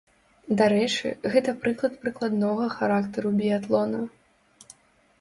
Дарэчы, гэта прыклад прыкладнога характару біятлона.